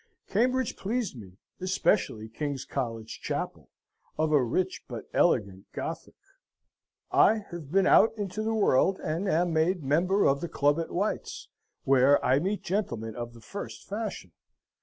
Cambridge pleased me: especially King's College Chapel, of a rich but elegant Gothick. "I have been out into the world, and am made member of the Club at White's, where I meet gentlemen of the first fashion.